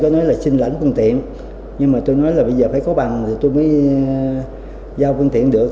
tôi nói là xin lẫn phương tiện nhưng mà tôi nói là bây giờ phải có bằng thì tôi mới giao phương tiện được